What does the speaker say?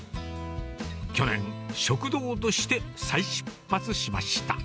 去年、食堂として再出発しました。